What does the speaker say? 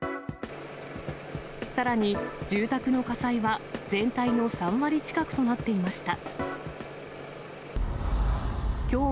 さらに住宅の火災は、全体の３割近くとなっていました。